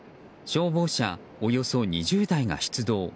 消防車およそ２０台が出動。